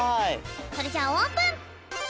それじゃあオープン！